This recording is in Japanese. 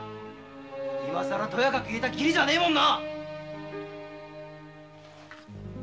今更とやかく言えた義理じゃねえもんな！